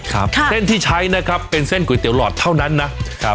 เส้นที่ใช้นะครับเป็นเส้นก๋วยเตี๋หลอดเท่านั้นนะครับ